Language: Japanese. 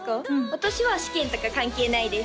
私は試験とか関係ないです